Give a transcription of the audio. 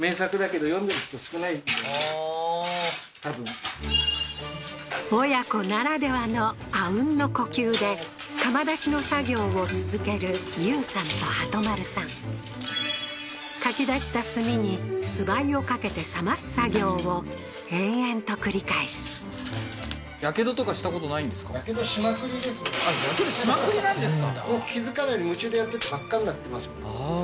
ああー多分親子ならではの阿吽の呼吸で窯出しの作業を続ける有さんと鳩丸さん掻き出した炭に素灰をかけて冷ます作業を延々と繰り返すあっ火傷しまくりなんですか？